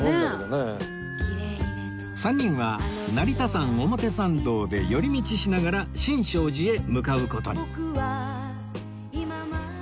３人は成田山表参道で寄り道しながら新勝寺へ向かう事に